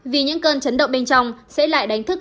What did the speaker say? vì những cơn chấn động bên trong sẽ lại đánh thức